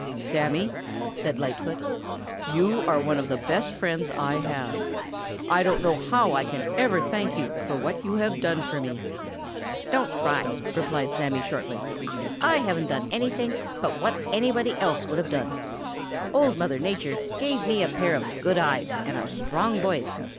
"Sammy," said Lightfoot, "you are one of the best friends I have. I don't know how I can ever thank you for what you have done for me." "Don't try," replied Sammy shortly. "I haven't done anything but what anybody else would have done. Old Mother Nature gave me a pair of good eyes and a strong voice.